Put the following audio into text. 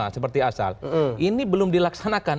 seperti asal ini belum dilaksanakan